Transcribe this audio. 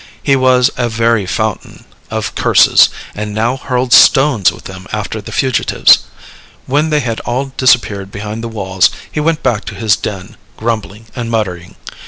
He was a very fountain of curses, and now hurled stones with them after the fugitives. When they had all disappeared behind the walls, he went back to his den, grumbling and muttering.